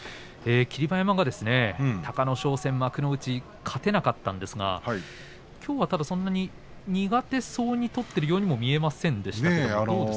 霧馬山がですね、隆の勝戦幕内で勝てなかったんですがきょうはただそんなに人苦手そうに取っているようには見えませんでしたね。